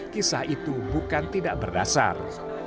kisah itu bukan tidak berdasar